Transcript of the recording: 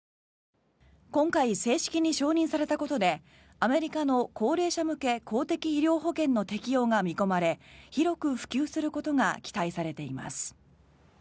今回、正式に承認されたことでアメリカの高齢者向け公的医療保険の適用が見込まれ広く普及することが期待されています。